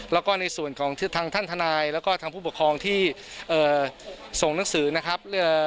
แล้วก็ในส่วนของทางท่านทนายแล้วก็ทางผู้ปกครองที่เอ่อส่งหนังสือนะครับ